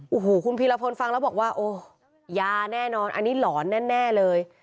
โอ้โหคุณพีรพลฟังแล้วบอกว่าโอ้ยาแน่นอนอันนี้หลอนแน่เลย